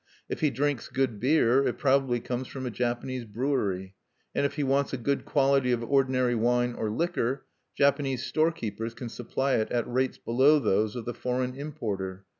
If he drinks good beer, it probably comes from a Japanese brewery; and if he wants a good quality of ordinary wine or liquor, Japanese storekeepers can supply it at rates below those of the foreign importer.